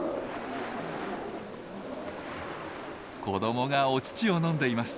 子どもがお乳を飲んでいます。